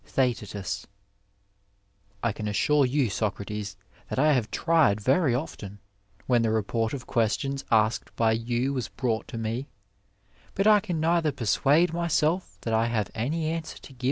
Theai. I can assure yon, Socrates, that I have tried veiy oftea, when the report of questions asked by you was brought to me ; but I can neither penmade myBeli that I have any answer to give^ ^ Dialogues, L 17d.